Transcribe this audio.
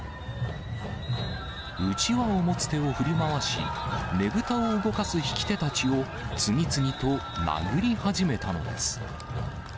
うちわを持つ手を振り回し、ねぶたを動かす引き手たちを次々と殴り始めたのです。